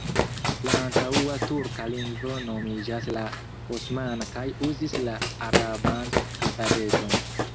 La antaŭa turka lingvo nomiĝas la osmana kaj uzis la araban alfabeton.